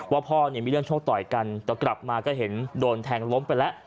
พ่อเนี่ยมีเรื่องโชคต่อยกันแต่กลับมาก็เห็นโดนแทงล้มไปแล้ว